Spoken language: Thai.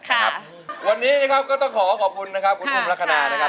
ครับวันนี้นะครับก็ต้องขอขอบคุณนะครับคุณอุ๋มลักษณะนะครับ